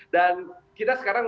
dan kita sekarang